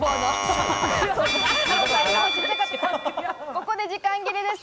ここで時間切れです。